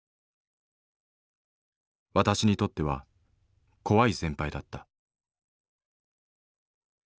私にとっては怖い先輩だった。